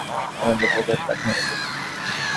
অন্যটাকে বোধহয় প্ল্যাটফর্মে দেখেছি।